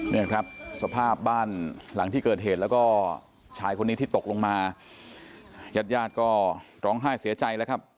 เนี่ยครับสภาพบ้านหลังที่เกิดเหตุแล้วก็ชายคนนี้ที่ตกลงมาญาติญาติก็ร้องไห้เสียใจแล้วครับ